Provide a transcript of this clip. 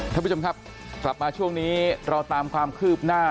ท่านผู้ชมครับกลับมาช่วงนี้เราตามความคืบหน้า